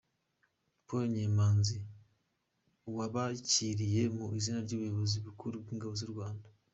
Paul Nyemazi wabakiriye mu izina ry’Ubuyobozi bukuru bw’Ingabo z’U Rwanda.